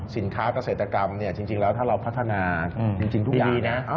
สินค้ากาเศรษฐกรรมจริงแล้วถ้าเราพัฒนาจริงทุกอย่าง